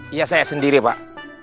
iya saya sendiri pak